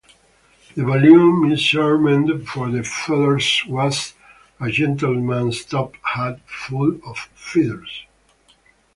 The volume measurement for the feathers was a gentleman's top hat full of feathers.